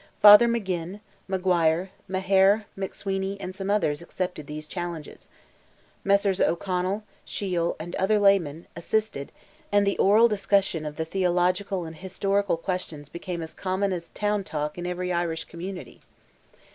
Father Maginn, Maguire, Maher, McSweeney, and some others accepted these challenges; Messrs. O'Connell, Shiel, and other laymen, assisted, and the oral discussion of theological and historical questions became as common as town talk in every Irish community.